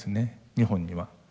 日本には。